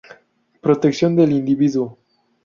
Protección del individuo.